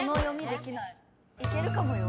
いけるかもよ。